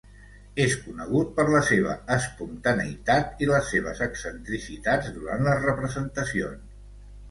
És conegut per la seva espontaneïtat i les seves excentricitats durant les representacions.